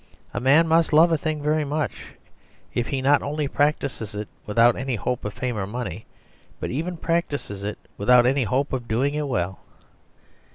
A man must love a thing very much if he not only practises it without any hope of fame or money, but even practises it without any hope of doing it well.